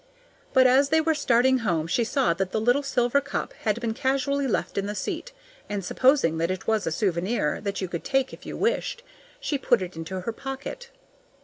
But as they were starting home she saw that the little silver cup had been casually left in the seat, and supposing that it was a souvenir that you could take if you wished, she put it into her pocket.